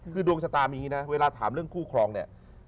คือดวงชะตามีอย่างนี้นะเวลาถามเรื่องคู่ครองเนี่ย